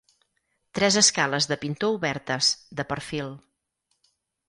Tres escales de pintor obertes, de perfil.